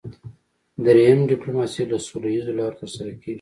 دریم ډیپلوماسي له سوله اییزو لارو ترسره کیږي